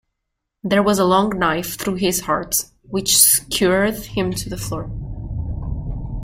There was a long knife through his heart which skewered him to the floor.